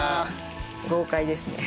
豪快ですね。